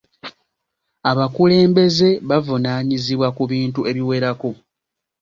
Abakulembeze bavunaanyizibwa ku bintu ebiwerako.